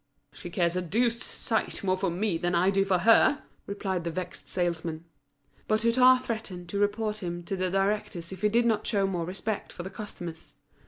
"She cares a deuced sight more for me than I do for her!" replied the vexed salesman. But Hutin threatened to report him to the directors if he did not show more respect for the customers.